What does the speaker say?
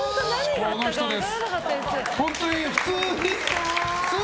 この人です。